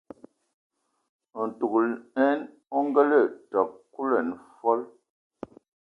Ntugəlɛn o ngənə təg kulɛn fol.